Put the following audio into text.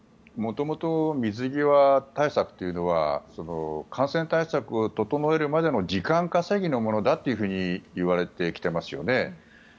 元々、水際対策というのは感染対策を整えるまでの時間稼ぎのものだというふうにいわれてきてますよね。